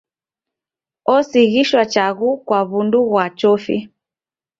Osighishwa chaghu kwa w'undu ghwa chofi.